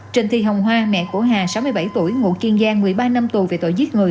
trình thi hồng hoa mẹ của hà sáu mươi bảy tuổi ngụ tiền giang một mươi ba năm tù về tội giết người